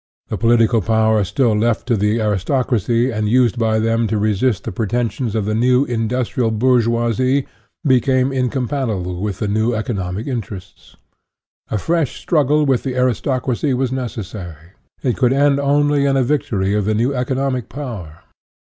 The political power still left to the aristocracy, and used by them to resist the pretensions of the new industrial bour geoisie, became incompatible with the new eco nomic interests. A fresh struggle with the aristocracy was necessary; it could end only in a victory of the new economic power.